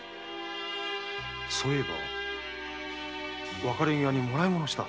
そういえば別れ際にもらい物をした。